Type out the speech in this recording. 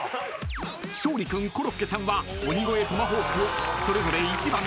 ［勝利君コロッケさんは鬼越トマホークをそれぞれ１番２番と予想］